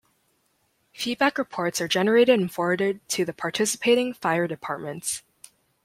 Feedback reports are generated and forwarded to the participating fire departments.